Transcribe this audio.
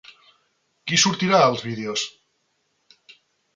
Qui sortirà als vídeos?